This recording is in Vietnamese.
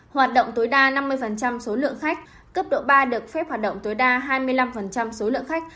hoạt động tối đa năm mươi số lượng khách cấp độ ba được phép hoạt động tối đa hai mươi năm số lượng khách